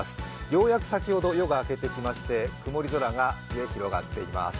ようやく先ほど夜が明けてきまして曇り空が広がっています。